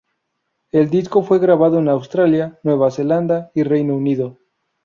El disco fue grabado en Australia, Nueva Zelanda y Reino Unido.